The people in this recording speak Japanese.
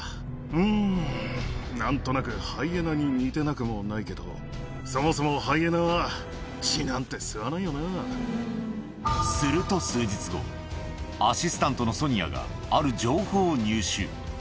うーん、なんとなくハイエナに似てなくもないけど、そもそもハイエナは血すると数日後、アシスタントのソニアがある情報を入手。